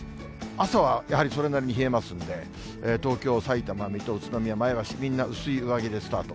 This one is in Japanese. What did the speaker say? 朝はやはりそれなりに冷えますんで、東京、さいたま、水戸、宇都宮、前橋、みんな薄い上着でスタート。